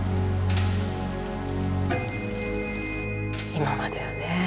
今まではね